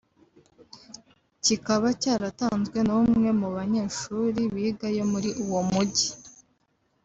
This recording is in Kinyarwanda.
kikaba cyaratanzwe n’umwe mu banyeshuli bigayo muri uwo Mujyi